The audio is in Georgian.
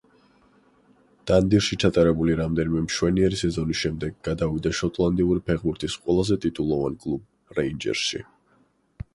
დანდიში ჩატარებული რამდენიმე მშვენიერი სეზონის შემდეგ გადავიდა შოტლანდიური ფეხბურთის ყველაზე ტიტულოვან კლუბ „რეინჯერსში“.